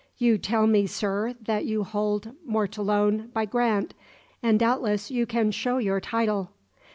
You tell me, sir, that you hold Mortallone by grant, and doubtless you can show your title."